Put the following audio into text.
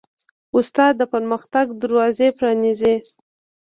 استاد د پرمختګ دروازې پرانیزي.